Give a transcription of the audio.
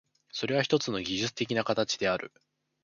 それはひとつの技術的な形である。